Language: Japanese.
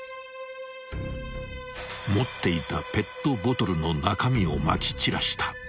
［持っていたペットボトルの中身をまき散らした］